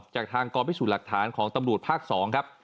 จากทางกองพิสูจน์หลักฐานของตำรวจภาค๒ครับ